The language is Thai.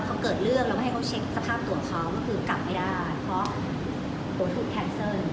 เพราะบางคน